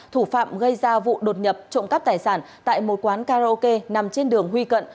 thủ phạm gây ra vụ đột nhập trộm cắp tài sản tại một quán karaoke nằm trên đường huy cận